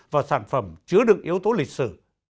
vào sản phẩm chứa đựng yếu tố lịch sử